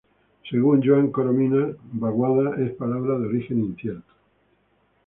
Según Joan Corominas, vaguada es palabra de origen incierto.